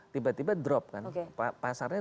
tiba tiba drop kan pasarnya